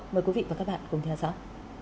mời quý vị và các bạn cùng theo dõi